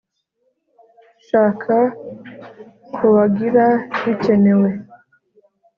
SHAKA COAGULABIKENEWE